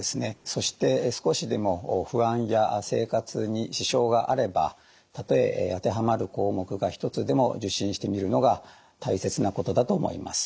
そして少しでも不安や生活に支障があればたとえ当てはまる項目が１つでも受診してみるのが大切なことだと思います。